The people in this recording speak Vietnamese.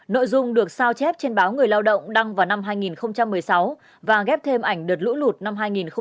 nội dung được sao chép trên báo người lao động đăng vào năm hai nghìn một mươi sáu và ghép thêm ảnh đợt lũ lụt năm hai nghìn một mươi tám